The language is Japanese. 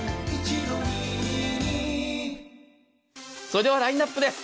それではラインアップです。